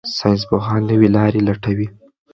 ساينسپوهان نوې لارې لټوي.